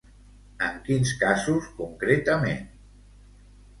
En quins casos, concretament?